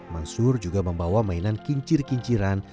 mansur juga membawa mainan kincir kinciran